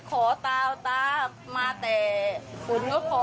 ตาตามาแต่ฝนก็ขอ